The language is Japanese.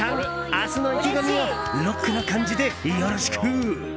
明日の意気込みをロックな感じでよろしく！